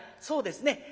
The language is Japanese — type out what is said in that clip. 「そうですね。